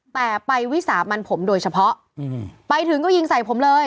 แต่ไปวิสามันผมโดยเฉพาะไปถึงก็ยิงใส่ผมเลย